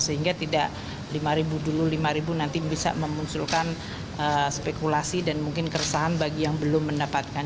sehingga tidak lima ribu dulu lima ribu nanti bisa memunculkan spekulasi dan mungkin keresahan bagi yang belum mendapatkan